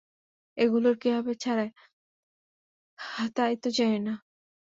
এগুলোর কীভাবে ছাড়ায়, তাই তো জানি না।